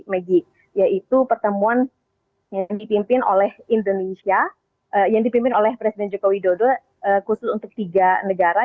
maggie yaitu pertemuan yang dipimpin oleh indonesia yang dipimpin oleh presiden joko widodo khusus untuk tiga negara